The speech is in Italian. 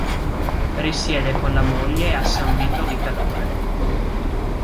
Risiede con la moglie a San Vito di Cadore.